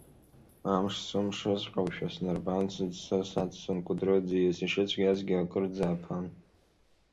Амш сымшыҵәҟьоушәа снарбан, сыӡсо саццон Кәыдры аӡиас, ишыцәгьазгьы акырӡа аԥан.